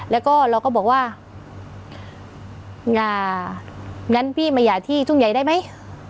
แล้วก็เราก็บอกว่าอย่างั้นพี่มาหย่าที่ทุ่งใหญ่ได้ไหม